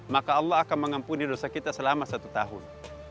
maka allah akan mengampuni dosa kita selama satu tahun